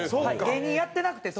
芸人やってなくて。